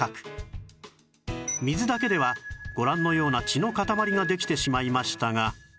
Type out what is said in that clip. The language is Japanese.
水だけではご覧のような血のかたまりができてしまいましたが